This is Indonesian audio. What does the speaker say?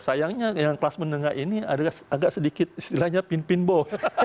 sayangnya yang kelas menengah ini agak sedikit istilahnya pinbo